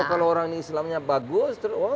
wah kalau orang ini islamnya bagus wah ini kamu anaknya